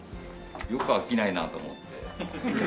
よく飽きないなと思って。